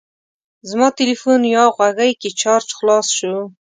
زما تلیفون یا غوږۍ کې چارج خلاص شو.